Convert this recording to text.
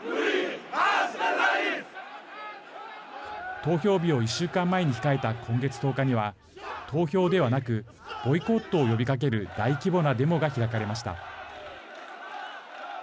投票日を１週間前に控えた今月１０日には投票ではなくボイコットを呼びかける大規模なデモが開かれました。